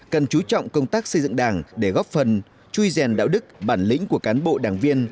cần chú trọng công tác xây dựng đảng để góp phần chui rèn đạo đức bản lĩnh của cán bộ đảng viên